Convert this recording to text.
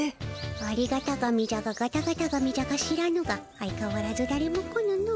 ありがた神じゃかガタガタ神じゃか知らぬが相かわらずだれも来ぬの。